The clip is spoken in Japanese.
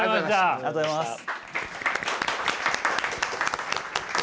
ありがとうございます。